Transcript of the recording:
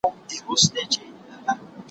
نه په منځ كي خياطان وه نه ټوكران وه